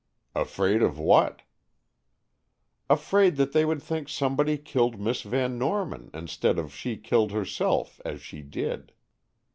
"Afraid of what?" "Afraid that they would think somebody killed Miss Van Norman, instead of that she killed herself, as she did."